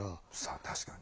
確かに。